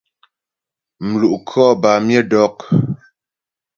Mlu' khɔ bâ myə dɔk.